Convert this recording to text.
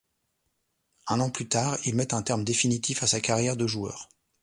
Un an plus tard, il met un terme définitif à sa carrière de joueur.